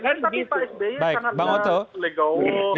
tapi pak sby sangatlah legawuh